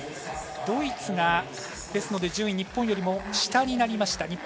ドイツが順位、日本よりも下になりました。